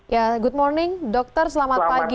ya good morning dokter selamat pagi